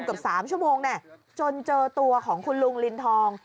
เกือบ๓ชั่วโมงแน่จนเจอตัวของคุณลุงลินทอง